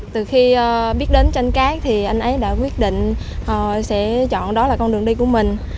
từ khi biết đến tranh cát thì anh ấy đã quyết định sẽ chọn đó là con đường đi của mình